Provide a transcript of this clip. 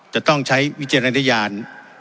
จะต้องใช้วิจารณญาณ